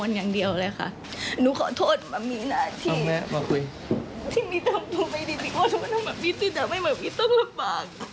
แล้วก็ขอบคุณบิตตำด้วยนะคะ